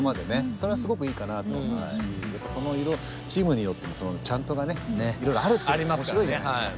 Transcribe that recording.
それはすごくいいかなと思いますしその色チームによってもチャントがねいろいろあるっていうのが面白いじゃないですか。